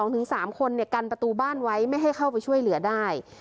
๒๓คนกันประตูบ้านไว้ไม่ให้เข้าไปช่วยเหลือได้